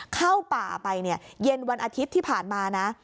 เข้าป่าไปเนี่ยเย็นวันอาทิตย์ที่ผ่านมานะ